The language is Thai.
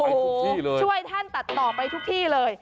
โอ้โหช่วยท่านตัดต่อไปทุกที่เลย